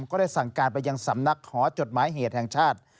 ก็ได้สั่งการไปยังสำนักหอจดหมายเหตุแห่งชาติ